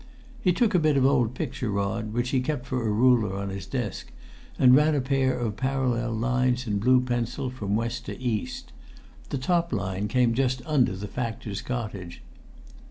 He took a bit of old picture rod, which he kept for a ruler on his desk, and ran a pair of parallel lines in blue pencil from west to east. The top line came just under the factor's cottage.